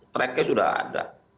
tracknya sudah ada